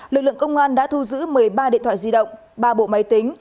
lực lượng công an đã thu giữ một mươi ba điện thoại di động ba bộ máy tính